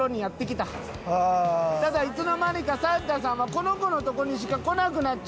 ただいつの間にかサンタさんはこの子のとこにしか来なくなっちゃった。